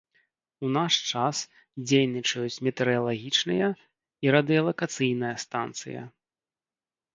У наш час дзейнічаюць метэаралагічная і радыёлакацыйная станцыя.